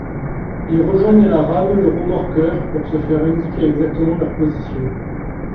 Ils rejoignent à la rame le remorqueur pour se faire indiquer exactement leur position.